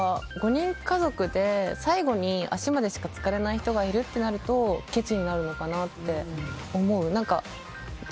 ５人家族で最後に足までしか浸かれない人がいるってなるとけちになるのかなって思う。